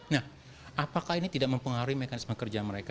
nah apakah ini tidak mempengaruhi mekanisme kerja mereka